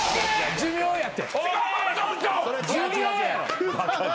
寿命やって。